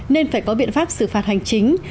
nên phải có biện pháp xử phạt hành chính